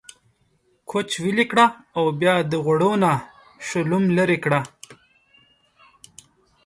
کوچ ويلي کړه او بيا د غوړو نه شلوم ليرې کړه۔